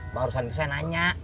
barusan itu saya nanya